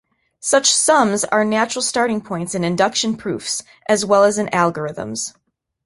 Such "sums" are natural starting points in induction proofs, as well as in algorithms.